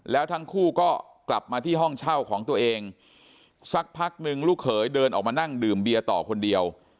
แล้วทั้งคู่ก็กลับมาที่ห้องเช่าของตัวเองสักพักนึงลูกเขยเดินออกมานั่งดื่มเบียร์ต่อคนเดียว